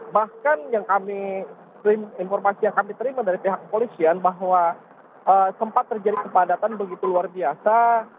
bahkan yang kami informasi yang kami terima dari pihak kepolisian bahwa sempat terjadi kepadatan begitu luar biasa